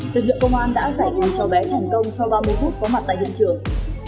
tư vựa công an đã giải quyết cho bé thành công sau ba mươi phút có mặt tại hiện trường